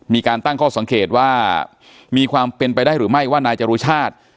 มีการตั้งข้อสังเกตว่ามีความเป็นไปได้หรือไม่ว่านายจรุชาติ